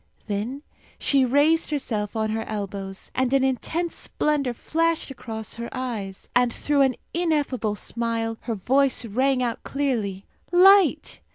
Then she raised herself on her elbows, and an intense splendour flashed across her eyes, and through an ineffable smile her voice rang out clearly. "Light!"